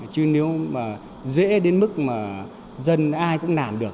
chứ nếu mà dễ đến mức mà dân ai cũng làm được